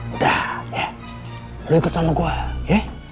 udah ya lo ikut sama gue ya